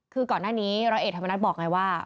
คือก่อนหน้านี้ร้อยเอกธรรมนัฐบอกไงว่า